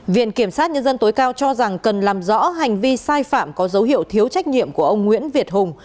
viện kiểm sát nhân dân tối cao cho rằng cần làm rõ hành vi sai phạm có dấu hiệu thiếu trách nhiệm của ông nguyễn việt hùng